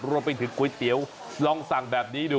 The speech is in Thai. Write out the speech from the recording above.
รวมไปถึงก๋วยเตี๋ยวลองสั่งแบบนี้ดู